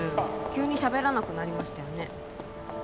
急に喋らなくなりましたよね